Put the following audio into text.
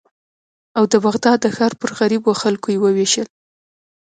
او د بغداد د ښار پر غریبو خلکو یې ووېشل.